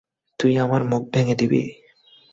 তুই আমার মুখ ভেঙে দিবি?